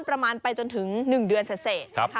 ประมาณไปจนถึง๑เดือนเสร็จ